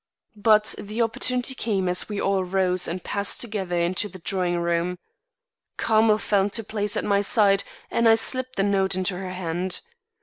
But the opportunity came as we all rose and passed together into the drawing room. Carmel fell into place at my side and I slipped the note into her hand.